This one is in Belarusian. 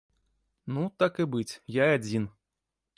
Ну, так і быць, я адзін.